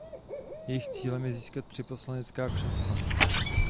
Jejich cílem je získat tři poslanecká křesla.